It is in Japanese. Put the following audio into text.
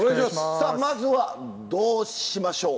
さあまずはどうしましょう？